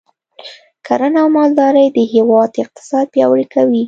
کرنه او مالداري د هیواد اقتصاد پیاوړی کوي.